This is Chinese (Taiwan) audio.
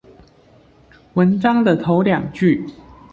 文章的頭兩句